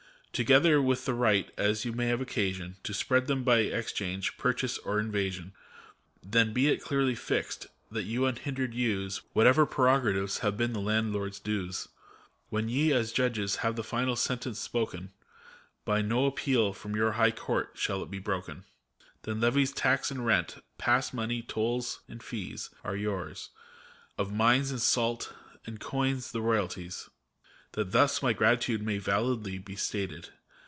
Together with the right, as you may have occasion, To spread them by exchange, or purchase, or invasion : Then be it clearly fixed, that you unhindered use Whatever prerogatives have been the landlord's dues. When ye, as Judges, have the final sentence spoken, By no appeal from your high Court shall it be broken : Then levies, tax and rent, pass money, tolls and fees Are yours, — of mines and salt and coin the royalties. That thus my gratitude may validly be stated.